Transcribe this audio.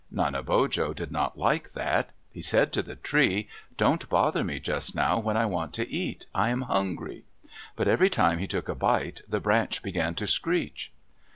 Nanebojo did not like that. He said to the tree, "Don't bother me just now when I want to eat, I am hungry!" But every time he took a bite the branch began to screech.